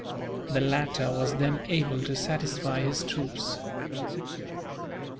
The latter was then able to satisfy his troops.